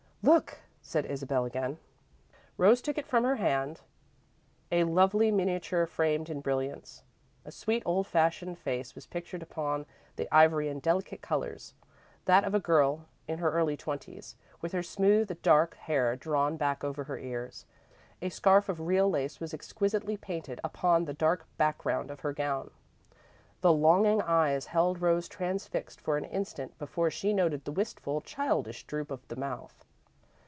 "Look," said Isabel, again. Rose took it from her hand a lovely miniature framed in brilliants. A sweet, old fashioned face was pictured upon the ivory in delicate colours that of a girl in her early twenties, with her smooth, dark hair drawn back over her ears. A scarf of real lace was exquisitely painted upon the dark background of her gown. The longing eyes held Rose transfixed for an instant before she noted the wistful, childish droop of the mouth.